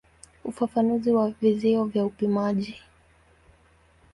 Ufafanuzi wa vizio vya upimaji.